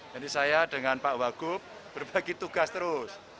jadi saya dengan pak wakup berbagi tugas terus